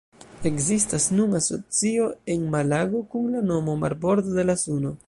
Ekzistas nun asocio en Malago, kun la nomo «Marbordo de la Suno».